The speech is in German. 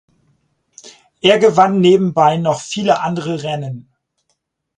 Er gewann nebenbei noch viele andere Rennen.